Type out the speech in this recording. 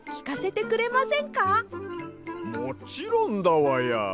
もちろんだわや！